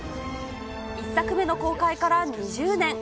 １作目の公開から２０年。